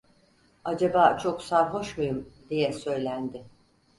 "Acaba çok sarhoş muyum?" diye söylendi.